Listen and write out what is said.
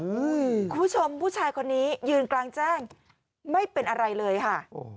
คุณผู้ชมผู้ชายคนนี้ยืนกลางแจ้งไม่เป็นอะไรเลยค่ะ